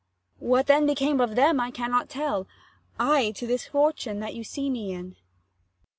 What then became of them I cannot tell; I to this fortune that you see me in.